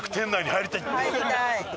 入りたい！